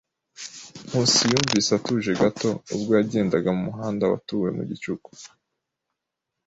Nkusi yumvise atuje gato ubwo yagendaga mu muhanda watuwe mu gicuku.